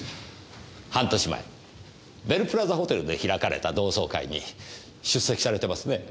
半年前ベルプラザホテルで開かれた同窓会に出席されてますね。